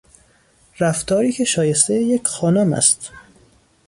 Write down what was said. رفتاری که شایستهی یک خانم است